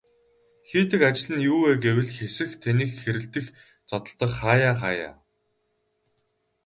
Хийдэг ажил нь юу вэ гэвэл хэсэх, тэнэх хэрэлдэх, зодолдох хааяа хааяа.